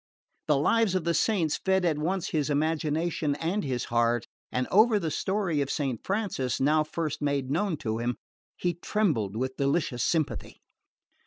The Lives of the Saints fed at once his imagination and his heart, and over the story of Saint Francis, now first made known to him, he trembled with delicious sympathy.